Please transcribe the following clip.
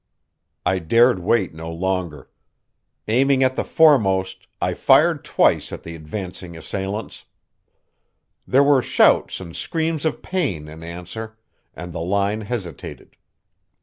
I dared wait no longer. Aiming at the foremost I fired twice at the advancing assailants. There were shouts and screams of pain in answer, and the line hesitated.